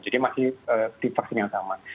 jadi masih tipe vaksin yang sama